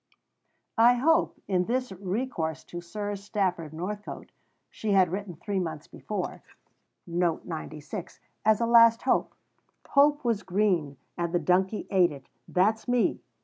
"I hope, in this recourse to Sir Stafford Northcote," she had written three months before, "as a last hope. Hope was green, and the donkey ate it (that's me)."